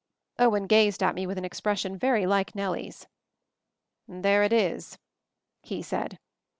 Owen gazed at me with an expression very like Nellie's. "There it is," he said.